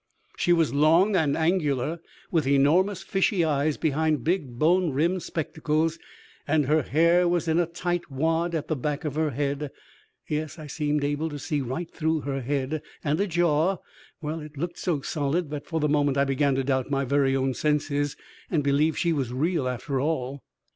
She was long and angular, with enormous fishy eyes behind big bone rimmed spectacles, and her hair in a tight wad at the back of her head (yes, I seemed able to see right through her head) and a jaw well, it looked so solid that for the moment I began to doubt my very own senses and believe she was real after all.